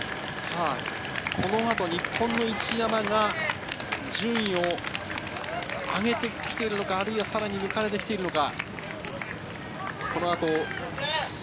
このあと日本の一山が順位を上げてきているのか、さらに抜かれてきているのか。